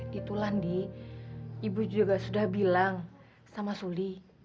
di tulandi ibu juga sudah bilang sama suli